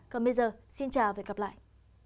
còn bây giờ xin chào và hẹn gặp lại